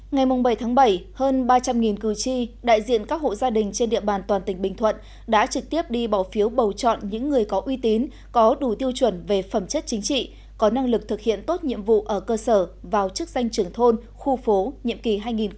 ngày bảy bảy hơn ba trăm linh cử tri đại diện các hộ gia đình trên địa bàn toàn tỉnh bình thuận đã trực tiếp đi bỏ phiếu bầu chọn những người có uy tín có đủ tiêu chuẩn về phẩm chất chính trị có năng lực thực hiện tốt nhiệm vụ ở cơ sở vào chức danh trưởng thôn khu phố nhiệm kỳ hai nghìn hai mươi hai nghìn hai mươi sáu